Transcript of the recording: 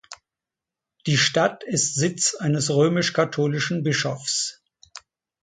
Die Stadt ist Sitz eines römisch-katholischen Bischofs.